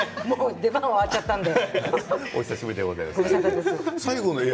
出番終わっちゃったので。